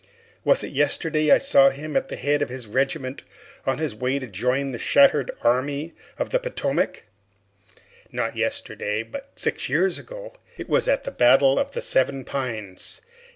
Was it yesterday I saw him at the head of his regiment on its way to join the shattered Army of the Potomac? Not yesterday, but six years ago. It was at the battle of the Seven Pines.